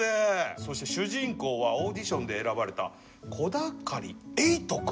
そして主人公はオーディションで選ばれた小鷹狩八君。